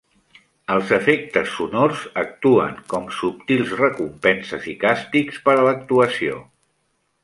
Els efectes sonors actuen com subtils recompenses i càstigs per a l'actuació.